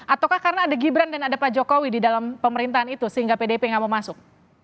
ataukah karena ada gibran dan ada pak jokowi di dalam pemerintahan itu sehingga pdip nggak mau masuk